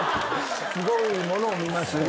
すごいものを見ましたね。